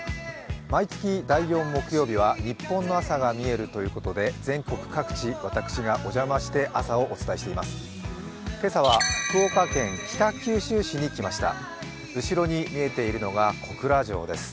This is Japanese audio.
毎月第４木曜日は「ニッポンの朝がみえる」ということで全国各地、私がお邪魔して朝をお伝えしています。